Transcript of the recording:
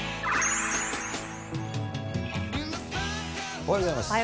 おはようございます。